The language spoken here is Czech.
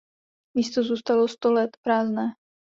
Místo zůstalo sto let prázdné.